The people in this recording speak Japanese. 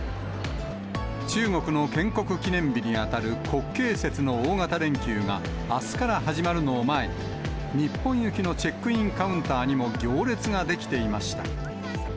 中国の建国記念日に当たる国慶節の大型連休があすから始まるのを前に、日本行きのチェックインカウンターにも行列が出来ていました。